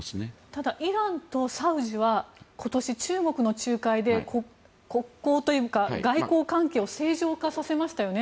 ただ、イランとサウジは今年中国の仲介で国交というか外交関係を正常化させましたよね。